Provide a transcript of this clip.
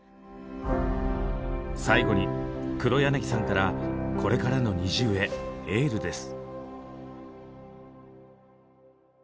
最後に黒柳さんからこれからのＮｉｚｉＵへエールです。